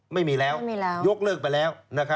ไม่มีแล้วยกเลิกไปแล้ว